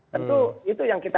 tentu itu yang kita